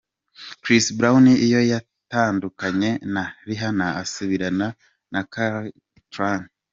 Chris Brown iyo yatandukanye na Rihanna asubirana na Karrueche Tran.